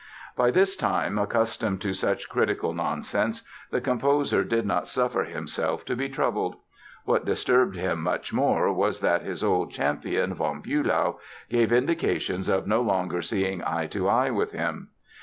By this time accustomed to such critical nonsense the composer did not suffer himself to be troubled. What disturbed him much more was that his old champion, von Bülow, gave indications of no longer seeing eye to eye with him.